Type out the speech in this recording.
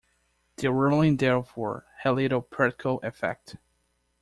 The ruling therefore had little practical effect.